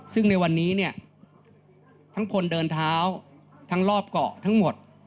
ซึ่งในวันนี้เนี่ยทั้งคนเดินเท้าทั้งรอบเกาะทั้งหมด